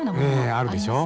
ええあるでしょ。